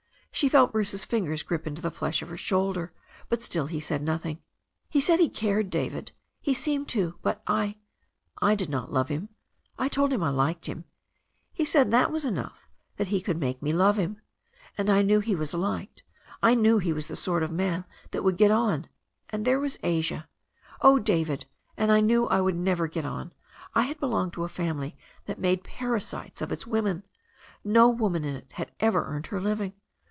She felt Bruce's fingers grip into the flesh of her shoulder, but still he said nothing. "He said he cared, David. He seemed to, but I — ^I did not love him. I told him I liked him. He said that was enough, that he could make me love him. And I knew he was liked — I knew he was the sort of man that would get on — and there was Asia. Oh, David, and I knew I would never get on — I had belonged to a family that made para sites of its women. No woman in it had ever earned her living.